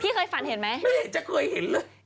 พี่เคยฝันเห็นไหมไม่จะเคยเห็นเลย